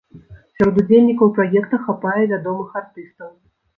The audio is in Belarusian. Сярод удзельнікаў праекта хапае вядомых артыстаў.